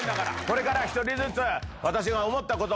これから１人ずつ。